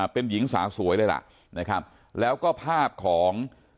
เป็นหญิงสาวสวยเลยล่ะนะครับแล้วก็ภาพของ